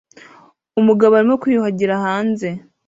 Umugabo arimo kwiyuhagira hanze